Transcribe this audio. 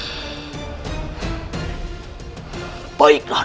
gagak lumayung adalah seorang pengkhianat